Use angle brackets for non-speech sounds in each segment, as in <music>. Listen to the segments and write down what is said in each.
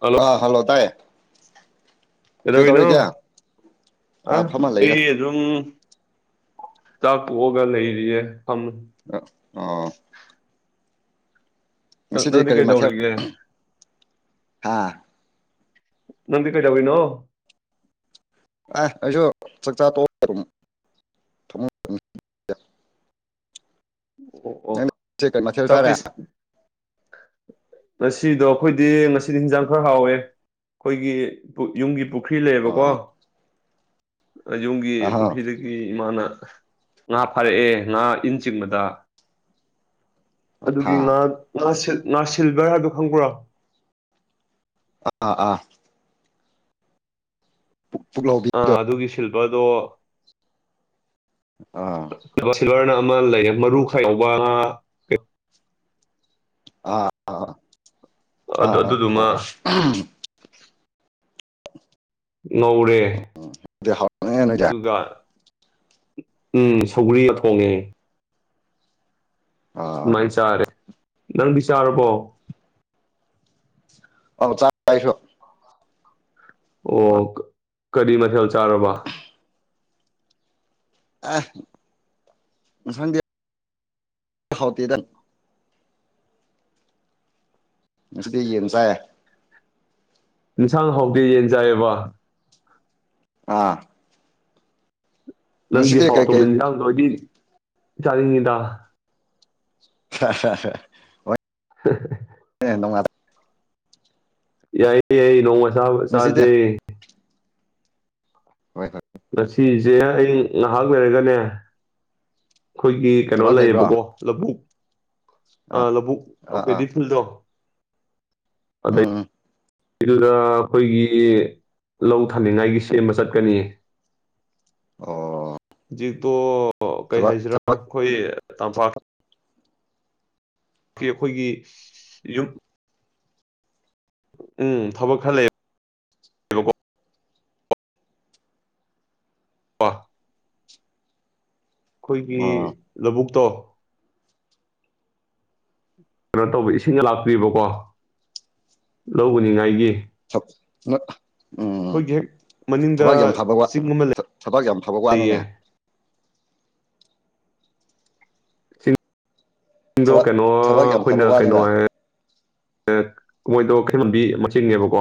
Hello ꯑꯥ ꯇꯥꯏꯌꯦ ꯀꯩꯗꯧꯔꯤꯅꯣ ꯀꯩꯗꯧꯔꯤꯒꯦ ꯑꯥ ꯑ ꯐꯝꯃ ꯂꯩꯗ <unintelligible> ꯑꯗꯨꯝ ꯆꯥꯛ ꯇꯣꯛꯑꯒ ꯂꯩꯔꯤꯌꯦ ꯐꯝ ꯑ ꯑ <inaudible> ꯅꯪ ꯉꯁꯤꯗꯤ ꯅꯪꯗꯤ ꯀꯔꯤ ꯃꯊꯦꯜ ꯀꯩꯗꯧꯔꯤꯒꯦ ꯍꯥ ꯅꯪꯗꯤ ꯀꯩꯗꯧꯔꯤꯅꯣ ꯑ ꯑꯩꯁꯨ ꯆꯥꯛꯆꯥꯥꯛ ꯇꯣ ꯑꯣ ꯅꯪꯗꯤ ꯑꯣ ꯉꯁꯤ ꯀꯩ ꯃꯊꯦꯜ ꯆꯥꯔꯦ ꯆꯥꯛꯇꯤꯁ ꯉꯁꯤꯗꯣ ꯑꯩꯈꯣꯏꯗꯤ ꯉꯁꯤꯗꯤ ꯍꯤꯟꯖꯥꯡ ꯈꯔ ꯍꯥꯎꯋꯦ ꯑꯩꯈꯣꯏꯒꯤ ꯄꯨ ꯌꯨꯝꯒꯤ ꯄꯨꯈ꯭ꯔꯤ ꯂꯩꯌꯦꯕꯀꯣ ꯑꯣ ꯌꯨꯝꯒꯤ ꯑꯍꯥ ꯄꯨꯈ꯭ꯔꯤꯗ ꯒꯤ ꯏꯃꯥꯅ ꯉꯥ ꯐꯥꯔꯛꯑꯦ ꯉꯥ ꯏꯟ ꯆꯤꯡꯕꯗ ꯑꯍꯥ ꯑꯗꯨꯒꯤ ꯉꯥ ꯉꯥ ꯁꯤꯜ ꯉꯥ ꯁꯤꯜꯚꯔ ꯍꯥꯏꯕꯗꯣ ꯈꯪꯕ꯭ꯔꯣ ꯑꯥꯥ ꯑꯥ ꯄꯨꯛ ꯄꯨꯛꯂꯣꯎꯕꯤ ꯑ ꯑꯗꯨꯒꯤ ꯁꯤꯜꯕꯔꯗꯣ ꯑꯥ ꯁꯤꯜꯕꯔꯅ ꯑꯃ ꯂꯩꯌꯦ ꯃꯔꯨ ꯈꯔ ꯌꯥꯎꯕ ꯉꯥ ꯑꯥ ꯑꯥ ꯑꯥ ꯑꯗꯨ ꯑꯥ ꯑꯥ ꯑꯗꯨꯗꯨꯃ ꯍꯣꯏ ꯍꯣꯏ <unintelligible> ꯉꯧꯔꯦ ꯑꯗꯨꯗꯤ ꯍꯥꯎꯔꯝꯅꯤꯅꯦ ꯅꯣꯏꯗꯤ ꯑꯗꯨꯒ ꯎꯝ ꯁꯧꯒ꯭ꯔꯤꯒ ꯊꯣꯡꯉꯦ ꯑꯣ ꯑꯗꯨ ꯃꯥꯏꯅ ꯆꯥꯔꯦ ꯅꯪꯗꯤ ꯆꯥꯔꯕꯣ ꯑ ꯆꯥꯔꯦ ꯑꯩꯁꯨ ꯑꯣ ꯀ ꯀꯔꯤ ꯃꯊꯦꯜ ꯆꯥꯔꯕ ꯑꯦ ꯃꯊꯪꯗꯤ <unintelligible> ꯉꯥꯁꯤꯗꯤ ꯌꯦꯟ ꯆꯥꯏ ꯏꯟꯁꯥꯡ ꯍꯧꯇꯦ ꯌꯦꯟ ꯆꯥꯏꯕ ꯑꯥ ꯅꯪꯒꯤ ꯉꯁꯤꯗꯤ ꯍꯥꯎ ꯀꯩꯀꯩ <inaudible> ꯏꯟꯖꯥꯡꯗꯣ ꯑꯩꯗꯤ ꯆꯥꯅꯤꯡꯉꯤꯗ <inaudible> ꯍ <inaudible> ꯑꯦ ꯅꯨꯡꯉꯥꯏ <inaudible> ꯌꯥꯏ ꯌꯥꯏ ꯅꯣꯡꯃ ꯆꯥꯎ ꯉꯁꯤꯗꯤ ꯆꯥꯖꯦ ꯍꯣꯏ ꯍꯣꯢ ꯉꯁꯤꯁꯦ ꯑꯩ ꯉꯥꯏꯍꯥꯛ ꯂꯩꯔꯒꯅꯦ ꯑꯩꯈꯣꯏꯒꯤ ꯀꯩꯅꯣ ꯊꯕꯛ ꯂꯩꯕ꯭ꯔꯣ ꯂꯩꯌꯦꯕꯀꯣ ꯂꯧꯕꯨꯛ ꯑ ꯑꯥ ꯂꯕꯨꯨꯛ ꯑꯥ ꯑꯥ ꯄꯦꯗꯤ ꯐꯤꯜꯗꯣ ꯎꯝ ꯎꯝ ꯗ ꯑꯩꯈꯣꯏꯒꯤ ꯂꯧ ꯊꯥꯅꯤꯡꯉꯥꯏꯒꯤ ꯁꯦꯝꯕ ꯆꯠꯀꯅꯤꯌꯦ ꯑꯣ ꯍꯧꯖꯤꯛꯇꯣ ꯀꯩ ꯊꯕꯛ ꯍꯥꯏꯁꯤꯔꯥ ꯊꯕꯛ ꯑꯩꯈꯣꯏ ꯇꯝꯄꯥꯛ ꯀꯤ ꯑꯩꯈꯣꯏꯒꯤ ꯌꯨꯝ ꯎꯝ ꯊꯕꯛ ꯈꯔ ꯂꯩꯌꯦ ꯕ ꯑꯩꯈꯣꯏꯒꯤ ꯑꯣ ꯂꯧꯕꯨꯛꯇꯣ ꯀꯩꯅꯣ ꯇꯧꯕ ꯏꯁꯤꯡꯒ ꯂꯥꯛꯄꯤꯕꯀꯣ ꯂꯧ ꯎꯅꯤꯉꯥꯏꯒꯤ ꯅ <inaudible> ꯑꯩꯈꯣꯏꯒꯤ ꯍꯦꯛ ꯃꯅꯤꯡꯗ ꯌꯥꯝ ꯐꯕ ꯋꯥ ꯆꯤꯡ ꯑꯃ ꯊꯕꯛ ꯌꯥꯝ ꯐꯕ ꯂꯩꯌꯦ ꯋꯥꯅꯤꯅꯦ ꯗꯣ ꯊꯕꯛ ꯀꯩꯅꯣ ꯊꯕꯛ ꯌꯥꯝ ꯐꯕ ꯑꯩꯈꯣꯏꯅ ꯀꯩꯅꯣ ꯋꯥꯅꯦꯕ ꯍꯥꯏ ꯑꯦꯛ ꯃꯣꯏꯗꯣ ꯈꯦꯃꯟꯕꯤ ꯃꯁꯤꯡꯉꯦꯕꯀꯣ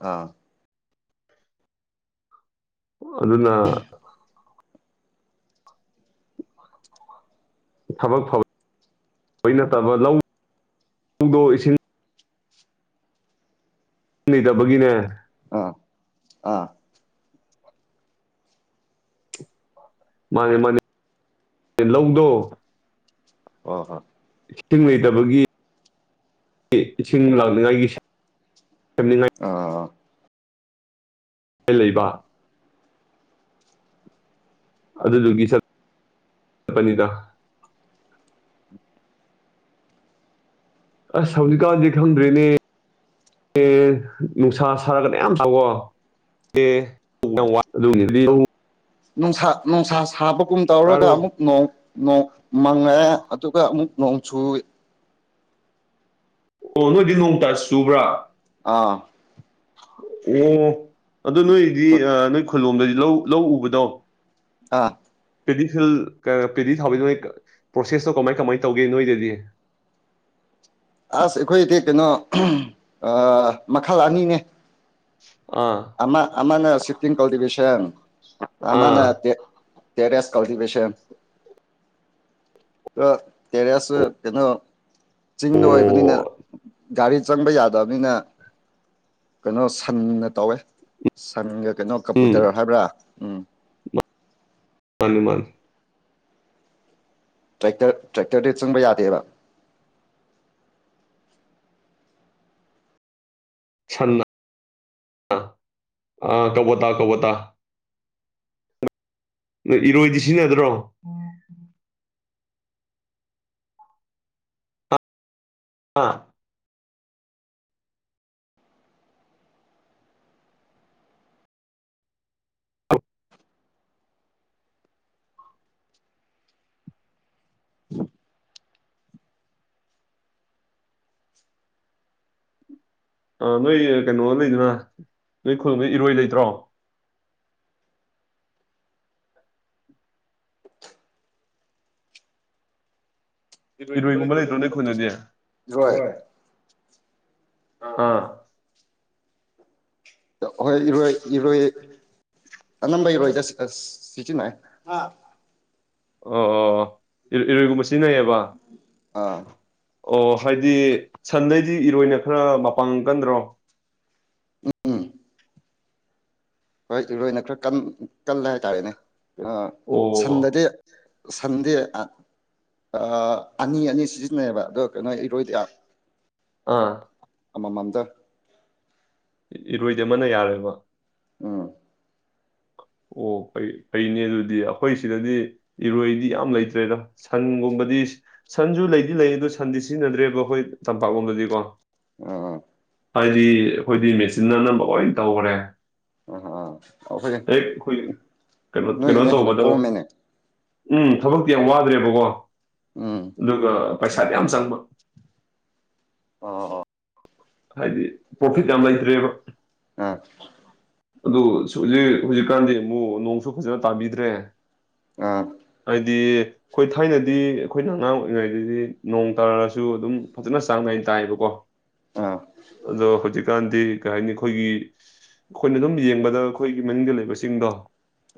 ꯑꯥ ꯑꯗꯨꯅ ꯊꯕꯛ ꯐꯕꯩ ꯅꯠꯇꯕ ꯂꯧ ꯗꯣ ꯏꯁꯤꯡ ꯂꯩꯇꯕꯒꯤꯅꯦ ꯑꯥ ꯑꯥ ꯃꯥꯅꯦ ꯃꯥꯅꯦ ꯂꯧꯗꯣ꯫ ꯑꯣ ꯍꯣ꯫ ꯏꯁꯤꯡ ꯂꯩꯇꯕꯒꯤ ꯏꯁꯤꯡ ꯂꯥꯛꯅꯤꯡꯉꯥꯏꯒꯤ ꯁꯦꯝꯅꯤꯡꯉꯥꯏ__ ꯑ꯫ ꯂꯩꯕ꯫ ꯑꯗꯨꯗꯨꯒꯤ ꯆꯠꯄꯅꯤꯗ꯫ ꯑꯁ ꯍꯧꯖꯤꯛꯀꯥꯟꯗꯤꯦ ꯈꯪꯗ꯭ꯔꯤꯅꯦ꯫ ꯑꯦ ꯅꯨꯡꯁꯥ ꯁꯥꯔꯒꯅꯦ ꯌꯥꯝ ꯇꯥꯎꯋꯣ꯫ ꯑꯦ ꯋꯥꯒꯤ꯫ ꯅꯨꯡꯁꯥ ꯅꯨꯡꯁꯥ ꯁꯥꯕꯒꯨꯝ ꯇꯧꯔꯒ ꯇꯥꯔꯣ ꯑꯃꯨꯛ ꯅ ꯅꯣꯡ ꯃꯪꯉꯦ ꯑꯗꯨꯒ ꯑꯃꯨꯛ__ ꯅꯣꯡꯆꯨ꯫ ꯑꯣ ꯅꯣꯏꯗꯤ ꯅꯣꯡꯇ ꯁꯨꯕ꯭ꯔꯥ꯫ ꯑꯥ꯫ ꯑꯣ ꯑꯗꯨ ꯅꯣꯏꯗꯤ ꯅꯣꯏ ꯈꯨꯂꯣꯝꯗ ꯂꯧ ꯂꯧ ꯎꯕꯗꯣ꯫ ꯑꯥ꯫ ꯄꯦꯗꯤ ꯐꯤꯜ ꯄꯦꯗꯤ ꯊꯥꯕꯗ ꯅꯣꯏ ꯄ꯭ꯔꯣꯁꯦꯁꯇꯣ ꯀꯃꯥꯏ ꯀꯃꯥꯏꯅ ꯇꯧꯒꯦ ꯅꯣꯏꯗꯗꯤ꯫ ꯑꯁ ꯑꯩꯈꯣꯏꯗꯤ ꯀꯩꯅꯣ ꯃꯈꯜ ꯑꯅꯤꯅꯦ꯫ ꯑꯥ꯫ ꯑꯃ ꯑꯃꯅ ꯁꯤꯇꯤꯡ ꯀꯜꯇꯤꯚꯁꯟ ꯑꯃꯅ__ ꯑꯥ ꯇꯦꯔꯦꯁ ꯀꯜꯇꯤꯚꯦꯁꯟ꯫ ꯑ ꯇꯦꯔꯦꯁ ꯀꯩꯅꯣ ꯆꯤꯡꯗ ꯑꯣꯏꯕꯅꯤꯅ꯫ ꯑꯣ ꯒꯥꯔꯤ ꯆꯪꯕ ꯌꯥꯗꯕꯅꯤꯅ ꯀꯩꯅꯣ ꯁꯟꯅ ꯇꯧꯋꯦ꯫ ꯁꯪꯒ ꯀꯩꯅꯣ ꯎꯝ ꯀꯄꯨꯇꯔ ꯍꯥꯏꯕ꯭ꯔꯥ꯫ ꯎꯝ ꯃꯥꯅꯤ ꯃꯥꯅꯤ꯫ ꯇ꯭ꯔꯦꯛꯇꯔ ꯇ꯭ꯔꯦꯛꯇꯔꯗꯤ ꯆꯪꯕ ꯌꯥꯗꯦꯕ꯫ ꯁ ꯑ ꯀꯇꯥ ꯀꯇꯥ꯫ ꯅ ꯏꯔꯣꯏꯗꯤ ꯁꯤꯖꯤꯟꯅꯗ꯭ꯔꯣ꯫ ꯑꯥ꯫ 'unaudible' ꯅꯣꯏ ꯀꯩꯅꯣ ꯂꯩꯗꯅ ꯅꯣꯏ ꯈꯒꯪꯗ ꯏꯔꯣꯏ ꯂꯩꯇ꯭ꯔꯣ꯫ ꯏꯔꯣꯏꯒꯨꯝꯕ ꯂꯩꯇ꯭ꯔꯣ ꯅꯣꯏ ꯑꯩꯈꯣꯏꯅꯗꯤ ꯏꯔꯣꯏ ꯑꯥ꯫ ꯍꯣꯏ ꯏꯔꯣꯏ ꯏꯔꯣꯏ꯫ ꯑꯅꯝꯕꯩꯔꯣꯏꯗ ꯁꯤꯁꯤꯅ꯫ ꯑꯣ ꯑꯣ ꯏꯔꯣꯏꯒꯨꯝꯕ ꯁꯤꯖꯤꯟꯅꯩꯌꯦꯕ꯫ ꯑꯥ꯫ ꯑꯣ ꯍꯥꯏꯗꯤ ꯁꯟꯗꯩꯗꯤ ꯏꯔꯣꯏꯅ ꯈꯔ ꯃꯄꯥꯡ ꯀꯟꯗ꯭ꯔꯣ꯫ ꯎꯝ ꯍꯣꯏ ꯏꯔꯣꯏꯅ ꯈꯔ ꯀꯜꯂꯦ ꯍꯥꯏꯇꯥꯔꯦꯅꯦ ꯁꯟꯗꯗꯤ__ ꯑꯣ ꯁꯟꯗ꯭ꯌꯥ ꯑ꯫ ꯑꯅꯤ ꯑꯅꯤ ꯁꯤꯖꯤꯟꯅꯩꯕ ꯑꯗꯣ ꯀꯩꯅꯣ ꯏꯔꯣꯏꯗ__ ꯑꯥ꯫ ꯑꯃ ꯃꯝꯗ꯫ ꯏꯔꯣꯏꯗꯤꯦ ꯑꯃꯅ ꯌꯥꯔꯦꯕ꯫ ꯎꯝ ꯑꯣ ꯐꯩ ꯐꯩꯅꯦ ꯑꯗꯨꯗꯤ ꯑꯩꯈꯣꯏ ꯁꯤꯗꯗꯤ ꯏꯔꯣꯏꯗꯤ ꯌꯥꯝ ꯂꯩꯇ꯭ꯔꯦꯗ ꯁꯟꯒꯨꯝꯕꯗꯤ ꯁꯟꯁꯨ ꯂꯩꯗꯤ ꯂꯩ ꯑꯗꯨ ꯁꯟꯗꯤ ꯁꯤꯖꯤꯟꯅꯗ꯭ꯔꯦꯕ ꯑꯩꯈꯣꯏ ꯇꯝꯄꯥꯛ ꯂꯣꯝꯗꯗꯤ ꯀꯣ ꯎꯝ ꯎ ꯍꯥꯏꯗꯤ ꯑꯩꯈꯣꯏꯗꯤ ꯃꯦꯆꯤꯤꯟ ꯑꯅꯝꯕ ꯂꯣꯏ ꯇꯧꯈ꯭ꯔꯦ 'unintelligible' ꯍꯦꯛ ꯑꯩꯈꯣꯏ ꯀꯩꯅꯣ ꯀꯩꯅꯣ ꯅꯣꯏꯅ ꯍꯦꯟꯅ ꯇꯧꯕꯗ ꯀꯣꯝꯃꯦꯅꯦ ꯎꯝ ꯊꯕꯛꯇꯤ ꯌꯥꯝ ꯋꯥꯗ꯭ꯔꯦꯕꯀꯣ ꯎꯝ ꯑꯗꯨꯒ ꯄꯩꯁꯥꯗꯤ ꯌꯥꯝ ꯆꯪꯕ ꯑꯣ ꯑꯣ ꯍꯥꯏꯗꯤ ꯄ꯭ꯔꯣꯐꯤꯠ ꯌꯥꯝ ꯂꯩꯇ꯭ꯔꯦꯕ ꯑꯥ ꯑꯗꯨ ꯍꯧꯖꯤꯛ ꯍꯧꯖꯤꯛꯀꯥꯟꯗꯤ ꯑꯃꯨꯛ ꯅꯣꯡꯁꯨ ꯐꯖꯅ ꯇꯥꯕꯤꯗ꯭ꯔꯦ ꯑꯥ ꯑꯩꯗꯤ ꯑꯩꯈꯣꯏ ꯊꯥꯏꯅꯗꯤ ꯑꯩꯈꯣꯏꯅ ꯑꯉꯥꯡ ꯑꯣꯏꯔꯤꯉꯩꯗꯗꯤ ꯅꯣꯡ ꯇꯥꯔꯁꯨ ꯑꯗꯨꯝ ꯐꯖꯅ ꯆꯥꯡ ꯅꯥꯏ ꯇꯥꯏꯌꯦꯕꯀꯣ ꯑꯥ ꯑꯗꯣ ꯍꯧꯖꯤꯛꯀꯥꯟꯗꯤ ꯀꯩ ꯍꯥꯏꯅꯤ ꯑꯩꯈꯣꯏꯒꯤ ꯑꯩꯈꯣꯏꯅ ꯑꯗꯨꯝ ꯌꯦꯡꯕꯗ ꯑꯩꯈꯣꯏꯒꯤ ꯃꯅꯨꯡꯗꯅꯤꯡ ꯂꯩꯕꯁꯤꯡꯗꯣ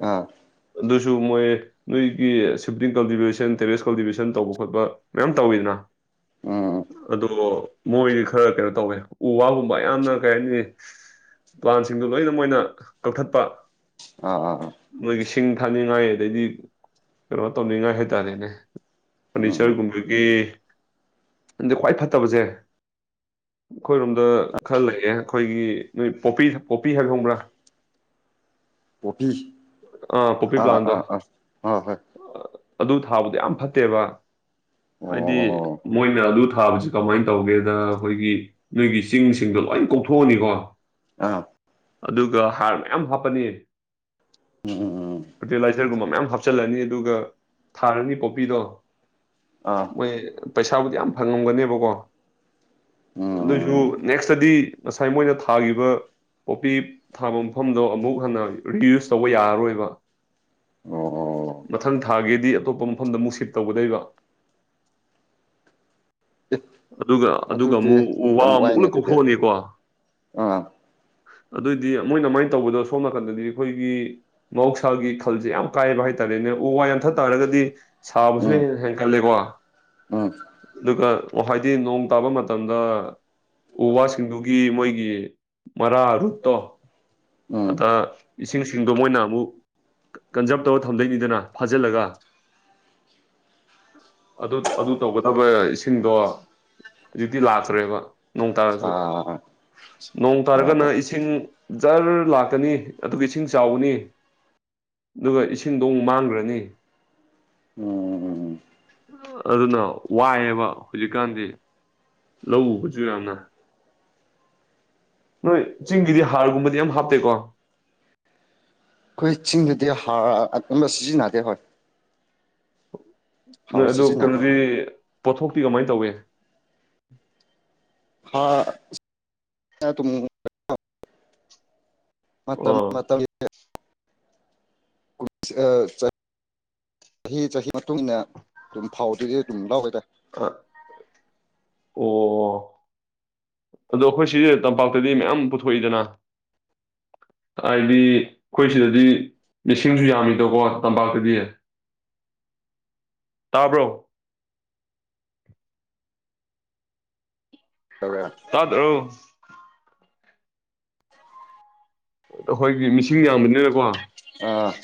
ꯑꯥ ꯑꯗꯨꯁꯨ ꯃꯣꯏ ꯅꯣꯏꯒꯤ ꯁꯤꯞꯇꯡ ꯀꯜꯇꯤꯚꯦꯁꯟ ꯇꯦꯔꯦꯁ ꯀꯜꯇꯤꯚꯦꯁꯟ ꯇꯧꯕ ꯈꯣꯠꯄ ꯃꯌꯥꯝ ꯇꯧꯋꯤꯗꯅ ꯎꯝ ꯎꯝ ꯑꯗꯣ ꯃꯣꯏꯗꯤ ꯈꯔ ꯀꯩꯅꯣ ꯇꯧꯋꯦ ꯎ ꯋꯥꯒꯨꯝꯕ ꯌꯥꯝꯅ ꯀꯩ ꯍꯥꯏꯅꯤ ꯄ꯭ꯂꯥꯟꯁ ꯁꯤꯡꯗꯨ ꯂꯣꯏꯅ ꯃꯣꯏꯅ ꯀꯛꯊꯠꯄ ꯑꯥ ꯑ ꯑ ꯃꯣꯏꯒꯤ ꯁꯤꯡ ꯊꯥꯅꯤꯡꯉꯥꯏ ꯑꯗꯩꯗꯤ ꯀꯩꯅꯣ ꯇꯧꯅꯤꯡꯉꯥꯏ ꯍꯥꯏꯇꯥꯔꯦꯅꯦ ꯎꯝ ꯎꯝ ꯎꯝ ꯐꯔꯅꯤꯆꯔꯒꯨꯝꯕꯒꯤ ꯑꯗ ꯈ꯭ꯋꯥꯏ ꯐꯠꯇꯕꯁꯦ ꯑꯩꯈꯣꯏꯔꯣꯝꯗ ꯈꯔ ꯂꯩꯑꯦ ꯑꯩꯈꯣꯏꯒꯤ ꯅꯣꯏ ꯄꯣꯄꯤ ꯄꯣꯄꯤ ꯍꯥꯏꯕ ꯈꯪꯕ꯭ꯔꯥ ꯄꯐ ꯄꯣꯄꯤ ꯑꯥ ꯄ꯭ꯂꯥꯟꯗꯣ ꯑꯥ ꯑꯥ ꯑ ꯍꯣꯏ ꯑꯗꯨ ꯊꯥꯕꯗꯣ ꯌꯥꯝ ꯐꯠꯇꯦꯕ ꯍꯥꯏꯗꯤ ꯑꯣ ꯃꯣꯏꯅ ꯑꯗꯨ ꯊꯥꯕꯁꯤ ꯀꯃꯥꯏꯅ ꯇꯧꯒꯦꯗ ꯑꯩꯈꯣꯏꯒꯤ ꯅꯣꯏꯒꯤ ꯆꯤꯡꯁꯤꯡꯗꯣ ꯂꯣꯏ ꯀꯣꯛꯊꯣꯛꯑꯅꯤꯀꯣ ꯑꯥ ꯑꯗꯨꯒ ꯍꯥꯔ ꯃꯌꯥꯝ ꯍꯥꯞꯄꯅꯤ ꯎꯝ ꯎꯝ ꯎꯝ ꯐꯔꯇꯤꯂꯥꯏꯖꯔꯒꯨꯝꯕ ꯃꯌꯥꯝ ꯍꯥꯞꯆꯤꯜꯂꯅꯤ ꯑꯗꯨꯒ ꯊꯥꯔꯅꯤ ꯄꯣꯄꯤꯗꯣ ꯑꯥ ꯃꯣꯏ ꯄꯩꯁꯥꯕꯨꯗꯤ ꯌꯥꯝ ꯐꯪꯉꯝꯒꯅꯦꯕꯀꯣ ꯑꯗꯨꯁꯨ ꯎꯝ ꯅꯦꯛꯁꯇꯗꯤ ꯉꯁꯥꯏ ꯃꯣꯏꯅ ꯊꯥꯈꯤꯕ ꯄꯣꯄꯤ ꯊꯥꯕ ꯃꯐꯝꯗꯣ ꯑꯃꯨꯛ ꯍꯟꯅ ꯔꯤꯌꯨꯁ ꯇꯧꯕ ꯌꯥꯔꯔꯣꯏꯕ ꯑꯣ ꯃꯊꯪ ꯊꯥꯒꯤꯗꯤ ꯑꯇꯣꯞꯄ ꯃꯐꯝꯗ ꯑꯃꯨꯛ ꯁꯤꯠ ꯇꯧꯒꯗꯣꯏꯕ ꯑꯦ ꯑꯗꯨꯒ ꯑꯗꯨꯒ ꯑꯗꯨꯗꯤ ꯑꯃꯨꯛ ꯋꯥ ꯌꯥꯝ ꯑꯃꯨꯛ ꯋꯥꯏꯅꯦ ꯂꯣꯏ ꯑꯗꯨꯗꯤ ꯀꯣꯛꯊꯣꯛꯑꯅꯤꯀꯣ ꯑꯥ ꯑꯗꯨꯑꯣꯏꯗꯤ ꯃꯣꯏꯅ ꯑꯗꯨꯃꯥꯏꯅ ꯇꯧꯕꯗꯣ ꯁꯣꯝ ꯅꯥꯀꯟꯗꯗꯤ ꯑꯩꯈꯣꯏꯒꯤ ꯃꯍꯧꯁꯥꯒꯤ ꯈꯜꯁꯦ ꯌꯥꯝ ꯀꯥꯏꯕ ꯍꯥꯏꯇꯥꯔꯦꯅꯦ ꯎ ꯋꯥ ꯌꯥꯟꯊꯠ ꯇꯥꯔꯒꯗꯤ ꯁꯥꯕꯁꯨ ꯎꯝ ꯍꯦꯟꯅ ꯍꯦꯟꯀꯠꯂꯦꯀꯣ ꯎꯝ ꯑꯗꯨꯒ ꯍꯥꯏꯗꯤ ꯅꯣꯡ ꯇꯥꯕ ꯃꯇꯝꯗ ꯎ ꯋꯥꯁꯤꯡꯗꯨꯒꯤ ꯃꯣꯏꯒꯤ ꯃꯔꯥ ꯔꯨꯠꯇꯣ ꯎꯝ ꯑꯗ ꯏꯁꯤꯡꯁꯤꯡꯗꯣ ꯃꯣꯏꯅ ꯑꯃꯨꯛ ꯀꯟꯖꯥꯔꯕ ꯇꯧꯔ ꯊꯝꯗꯣꯏꯅꯤꯗꯅ ꯐꯥꯖꯤꯜꯂꯒ ꯑꯗꯨ ꯑꯗꯨ ꯇꯧꯒꯗꯕ ꯏꯁꯤꯡꯗꯣ ꯍꯧꯖꯤꯛꯇꯤ ꯂꯥꯛꯇ꯭ꯔꯦꯕ ꯅꯣꯡ ꯇꯥꯔꯁꯨ ꯑꯥ ꯅꯣꯡ ꯍꯣꯏ ꯇꯥꯔꯒꯅ ꯍꯣꯏ ꯏꯁꯤꯡ ꯖꯔ ꯂꯥꯛꯀꯅꯤ ꯑꯗꯨꯒ ꯏꯁꯤꯡ ꯆꯥꯎꯕꯅꯤ ꯑꯗꯨꯒ ꯏꯁꯤꯡꯗꯣ ꯑꯃꯨꯛ ꯃꯥꯡꯈ꯭ꯔꯅꯤ ꯎꯝ ꯑꯗꯨꯅ ꯋꯥꯏꯑꯕ ꯍꯧꯖꯤꯛꯀꯥꯟꯗꯤ ꯂꯧ ꯎꯕꯁꯨ ꯌꯥꯝꯅ ꯅꯣꯏ ꯆꯤꯡꯒꯤꯗꯤ ꯍꯥꯔꯒꯨꯝꯕꯗꯤ ꯌꯥꯝ ꯍꯥꯞꯇꯦꯀꯣ ꯑꯩꯈꯣꯏ ꯆꯤꯡꯗꯨꯗꯤ ꯍꯥꯔ ꯑꯀꯟꯕ ꯁꯤꯖꯤꯟꯅꯗꯦ ꯍꯣꯏ ꯅꯣꯏ ꯍꯥꯔ ꯑꯗꯨ ꯁꯤꯖꯤꯟꯅꯗꯦ ꯀꯩꯅꯣꯗꯤ ꯄꯣꯠꯊꯣꯛꯇꯤ ꯀꯃꯥꯏꯅ ꯇꯧꯏ ꯍꯥꯥ ꯇꯨ ꯃꯇꯝ ꯑꯥ <unintelligible> ꯑ <unintelligible> ꯆꯍꯤ ꯆꯍꯤ ꯃꯇꯨꯡ ꯏꯟꯅ ꯑꯗꯨꯝ ꯐꯥꯎꯗꯗꯤ ꯑꯗꯨꯝ ꯂꯧꯋꯦꯗ ꯑ ꯑꯣ ꯑꯗꯣ ꯑꯩꯈꯣꯏ ꯁꯤ ꯇꯝꯄꯥꯛꯇꯗꯤ ꯃꯌꯥꯝ ꯄꯨꯊꯣꯛꯏꯗꯅ ꯍꯥꯏꯗꯤ ꯑꯩꯈꯣꯏ ꯁꯤꯗꯗꯤ ꯃꯤꯁꯤꯡꯁꯨ ꯌꯥꯝꯃꯤꯗꯣꯀꯣ ꯇꯝꯄꯥꯛꯇꯗꯤ ꯑ <inaudible> ꯇꯥꯕ꯭ꯔꯣ ꯇꯧꯔꯦ ꯇꯥꯗ꯭ꯔꯣ ꯑꯩꯈꯣꯏꯒꯤ ꯃꯤꯁꯤꯡ ꯌꯥꯝꯕꯅꯤꯅꯀꯣ ꯑ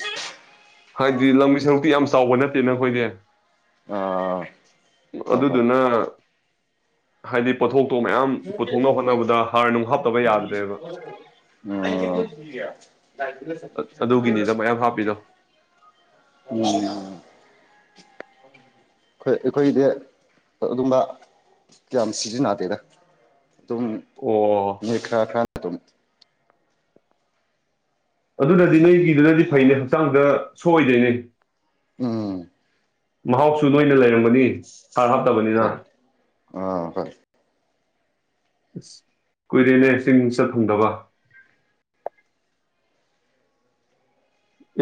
ꯍꯥꯏꯗꯤ ꯂꯝꯒꯤ ꯁꯔꯨꯛꯇꯤ ꯌꯥꯝ ꯆꯥꯎꯕ ꯅꯠꯇꯦꯅ ꯑꯈꯣꯏꯗꯤ ꯑꯥ ꯍꯣꯏ ꯑꯗꯨꯗꯨꯅ ꯍꯥꯏꯗꯤ ꯄꯣꯠꯊꯣꯛꯇꯣ ꯃꯌꯥꯝ ꯄꯨꯊꯣꯛꯅꯕ ꯍꯣꯠꯅꯕꯗ ꯍꯥꯔ ꯅꯨꯡ ꯍꯥꯞꯇꯕ ꯌꯥꯗ꯭ꯔꯦꯕ ꯑꯗꯨꯒꯤꯅꯤꯗ ꯃꯌꯥꯝ ꯍꯥꯞꯄꯤꯗꯣ ꯑ ꯎꯝ ꯑꯩꯈꯣꯏꯗꯤ ꯑꯗꯨꯝꯕ ꯀꯌꯥꯝ ꯁꯤꯖꯤꯟꯅꯗꯦꯗ ꯑꯗꯨꯝ ꯑꯣ ꯅꯣꯏ ꯈꯔꯥ ꯈꯔ ꯑꯗꯨꯝ ꯑꯗꯨꯅꯗꯤ ꯅꯣꯏꯒꯤꯗꯨꯅꯗꯤ ꯐꯩꯅꯦ ꯍꯛꯆꯥꯡꯗ ꯁꯣꯛꯏꯗꯣꯏꯅꯦ ꯎꯝ ꯃꯍꯥꯎꯁꯨ ꯅꯣꯏꯅ ꯂꯩꯔꯝꯒꯅꯤ ꯍꯥꯔ ꯍꯥꯞꯇꯕꯅꯤꯅ ꯍꯣꯏ ꯑꯥ ꯍꯣꯏ ꯀꯨꯏꯔꯦꯅꯦ ꯆꯤꯡ ꯆꯠ ꯐꯪꯗꯕ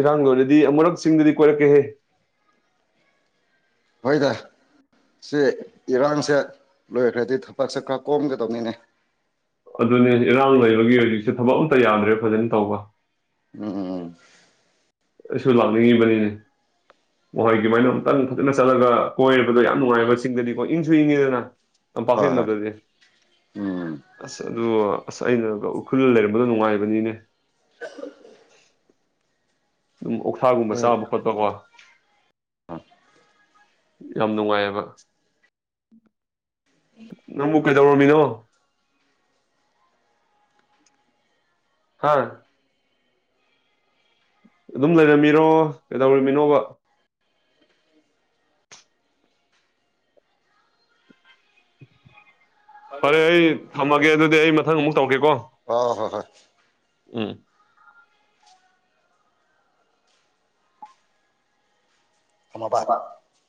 ꯏꯔꯥꯡ ꯂꯣꯏꯗꯤ ꯑꯃꯨꯔꯛ ꯆꯤꯡꯗꯗꯤ ꯀꯣꯏꯔꯛꯀꯦꯍꯦ ꯍꯣꯏꯗ ꯁꯤ ꯏꯔꯥꯡꯁꯦ ꯂꯣꯏꯈ꯭ꯔꯗꯤ ꯊꯕꯛꯁꯦ ꯈꯔ ꯀꯣꯝꯒꯗꯧꯅꯤꯅꯦ ꯑꯗꯨꯅꯦ ꯏꯔꯥꯡ ꯂꯩꯕꯒꯤ ꯍꯧꯖꯤꯛꯁꯦ ꯊꯕꯛ ꯑꯝꯇ ꯌꯥꯗ꯭ꯔꯦ ꯐꯖꯅ ꯇꯧꯕ ꯎꯝ ꯎꯝ ꯎꯝ ꯑꯩꯁꯨ ꯂꯥꯛꯅꯤꯡꯉꯤꯕꯅꯤꯅꯦ ꯋꯥꯏꯒꯤꯃꯥꯏꯅ ꯑꯃꯨꯛꯇꯪ ꯐꯖꯅ ꯆꯠꯂꯒ ꯀꯣꯏꯔꯕꯗꯣ ꯌꯥꯝ ꯅꯨꯡꯉꯥꯏꯕ ꯆꯤꯡꯗꯗꯤꯀꯣ ꯏꯪꯁꯨ ꯏꯪꯉꯤꯗꯅ ꯇꯝꯄꯥꯛ ꯍꯣꯏ ꯍꯣꯏ ꯎꯝ <unintelligible> ꯑꯁ ꯑꯗꯨ ꯑꯁ ꯑꯩꯅꯒ ꯎꯈ꯭ꯔꯨꯜ ꯂꯩꯔꯝꯕꯗꯣ ꯅꯨꯡꯉꯥꯏꯕꯅꯤꯅꯦ ꯑꯗꯨꯝ ꯑꯣꯛꯊꯥꯒꯨꯝꯕ ꯍꯣꯏ ꯆꯥꯕ ꯈꯣꯠꯄꯀꯣ ꯌꯥꯝ ꯅꯨꯡꯉꯥꯏꯌꯦꯕ ꯅꯪꯕꯨ ꯀꯩꯗꯧꯔꯝꯃꯤꯅꯣ ꯍꯥꯥ ꯑꯗꯨꯝ ꯂꯩꯔꯝꯃꯤꯔꯣ ꯀꯩꯗꯧꯔꯝꯃꯤꯅꯣꯕ ꯐꯔꯦ ꯑꯩ ꯊꯝꯃꯒꯦ ꯑꯗꯨꯗꯤ ꯑꯩ ꯃꯊꯪ ꯑꯃꯨꯛ ꯇꯧꯔꯀꯦꯀꯣ ꯑꯣ ꯍꯣꯏ ꯍꯣꯏ ꯎꯝ ꯊꯝꯃꯕ ꯃꯣꯕꯥꯡ